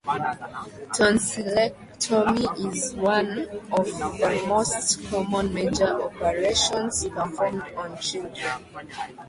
Tonsillectomy is one of the most common major operations performed on children.